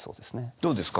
どうですか？